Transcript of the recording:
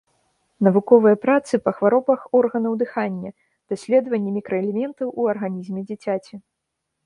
Навуковыя працы па хваробах органаў дыхання, даследванні мікраэлементаў у арганізме дзіцяці.